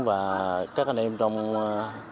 và các anh em trong đầu tiên